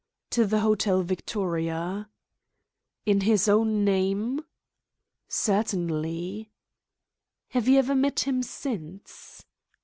"To the Hotel Victoria." "In his own name?" "Certainly." "Have you ever met him since?"